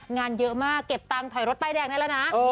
งานเยอะมากเก็บตังค์ถอยรถป้ายแดงได้แล้วนะ